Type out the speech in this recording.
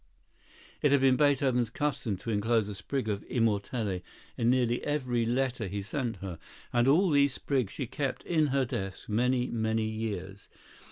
It had been Beethoven's custom to enclose a sprig of immortelle in nearly every letter he sent her, and all these sprigs she kept in her desk many, many years.